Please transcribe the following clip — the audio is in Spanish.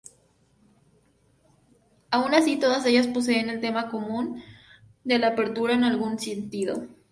Aun así, todas ellas poseen el tema común de la ‘apertura' en algún sentido.